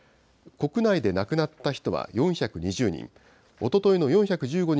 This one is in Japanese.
国内で亡くなった人は４２０人。